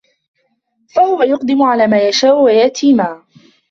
فَهُوَ يَقْدَمُ عَلَى مَا يَشَاءُ وَيَأْتِي مَا